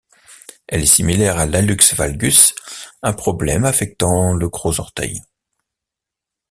Elle est similaire à l'hallux valgus, un problème affectant le gros orteil.